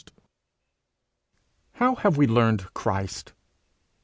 How have we learned Christ?